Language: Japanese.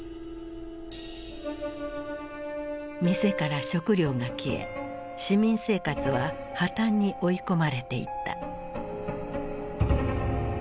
店から食料が消え市民生活は破綻に追い込まれていった。